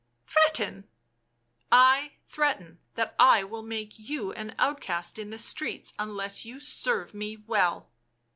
" Threaten !"" I threaten that I will make you an outcast in the streets unless you serve me well."